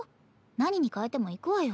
何に変えても行くわよ。